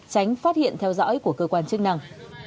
tránh phát hiện theo dõi của cơ quan chức năng